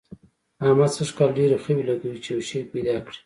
احمد سږ کال ډېرې خوې لګوي چي يو شی پيدا کړي.